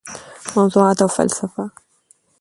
موضوعات او فلسفه: